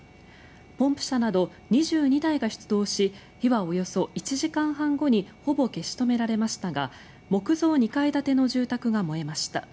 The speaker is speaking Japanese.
ポンプ車など２２台が出動し火はおよそ１時間半後にほぼ消し止められましたが木造２階建ての住宅が燃えました。